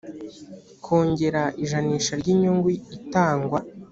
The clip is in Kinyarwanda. kongera ijanisha ry inyungu itangwa